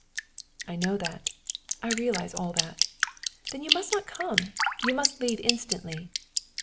"I know that! I realize all that!" "Then you must not come! You must leave instantly."